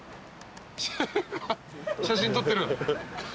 写真撮ってる。